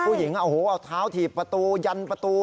ผู้หญิงเอาเท้าถีบประตูยันประตู